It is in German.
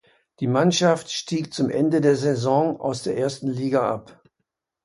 Die Mannschaft stieg zum Ende der Saison aus der ersten Liga ab.